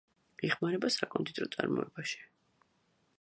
იხმარება საკონდიტრო წარმოებაში.